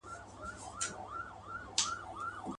شیطان په زور نیولی.